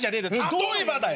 例えばだよ。